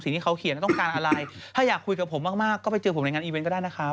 ที่เขาเขียนต้องการอะไรถ้าอยากคุยกับผมมากก็ไปเจอผมในงานอีเวนต์ก็ได้นะครับ